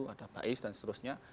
ada bais dan seterusnya